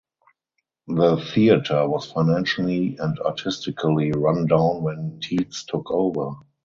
The theatre was financially and artistically run down when Tietz took over.